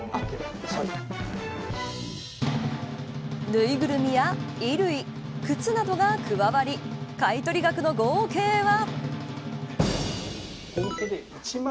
ぬいぐるみや衣類靴などが加わり買い取り額の合計は。